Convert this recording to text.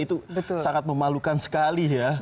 itu sangat memalukan sekali ya